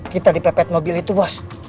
kita dipepet mobil itu boss